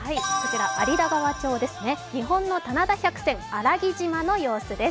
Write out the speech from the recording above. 有田川町ですね、日本の棚田百選、あらぎ島の様子です。